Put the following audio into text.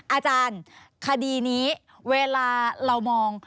อาจารย์คดีนี้เวลาเรามอง